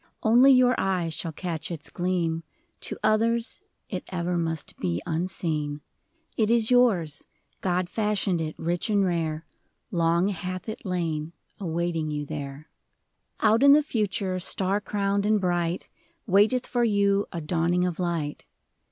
Only your eye shall catch its gleam ; To others, it ever must be unseen. It is yours — God fashioned it rich and rare. Long hath it lain awaiting you there. Out in the Future, star crowned and bright, Waiteth for you a dawning of light.